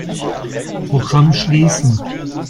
Programm schließen.